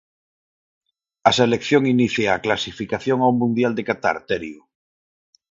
A selección inicia o clasificación ao mundial de Qatar, Terio.